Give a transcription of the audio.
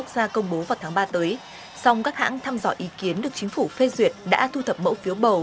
các hãng tham dọa ý kiến được chính phủ phê duyệt đã thu thập mẫu phiếu bầu